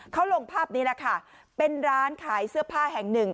เขาลงภาพนี้แหละค่ะเป็นร้านขายเสื้อผ้าแห่งหนึ่ง